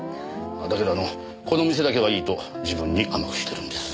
だけどあのこの店だけはいいと自分に甘くしてるんです。